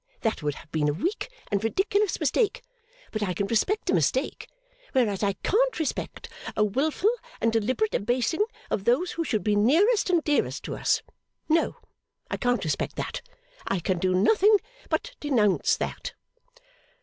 That would have been a weak and ridiculous mistake, but I can respect a mistake, whereas I can't respect a wilful and deliberate abasing of those who should be nearest and dearest to us. No. I can't respect that. I can do nothing but denounce that.